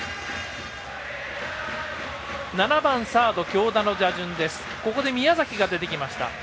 ７番サード、京田の打順でここで宮崎が出てきました。